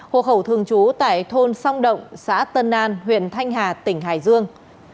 hộ khẩu thường trú tại thôn song động xã tân an huyện thanh hà tỉnh hải dương